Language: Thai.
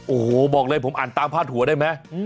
โอ้โหบอกเลยผมอ่านตามพาดหัวได้ไหม